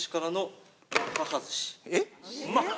えっ？